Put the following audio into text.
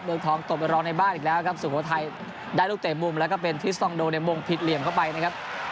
เมืองทองตกไปรองในบ้านอีกแล้วครับสุโขทัยได้ลูกเตะมุมแล้วก็เป็นทริสตองโดในมงผิดเหลี่ยมเข้าไปนะครับ